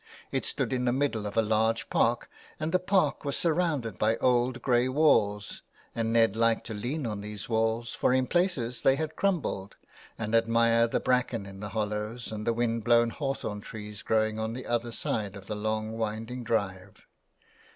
It stood in the middle of a large park, and the park was surrounded by old grey walls and Ned liked to lean on these walls, for in places they had crumbled, and admire the bracken in the hollows and the wind blown hawthorn trees growing on the other side of the long winding drive.